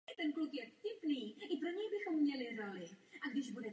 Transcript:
Po první světové válce byl též ředitelem okresní nemocenské pojišťovny.